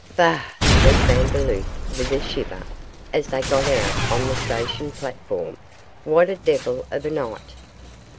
'Bah!' said Vandeloup, with a shiver, as they got out on the station platform, 'what a devil of a night.